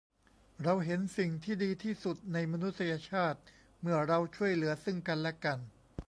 เราเห็นสิ่งที่ดีที่สุดในมนุษยชาติเมื่อเราช่วยเหลือซึ่งกันและกัน